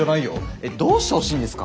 えっどうしてほしいんですか？